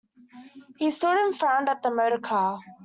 He stood and frowned at the motor-car.